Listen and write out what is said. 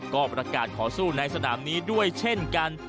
ก็ประกาศขอสู้ในสนามนี้ด้วยเช่นกัน